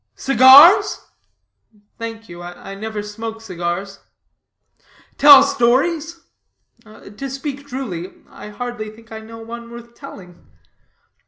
"Cigars?" "Thank you, I never smoke cigars." "Tell stories?" "To speak truly, I hardly think I know one worth telling."